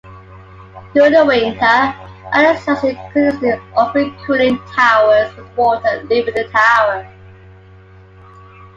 During the winter, other sites continuously operate cooling towers with water leaving the tower.